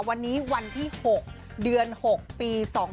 วันนี้วันที่๖เดือน๖ปี๒๕๖